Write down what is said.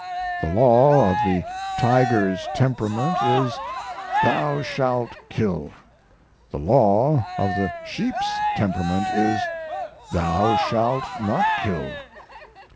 The law of the tiger's temperament is, Thou shaft kill; the law of the sheep's temperament is, Thou shalt not kill.